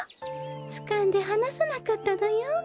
つかんではなさなかったのよ。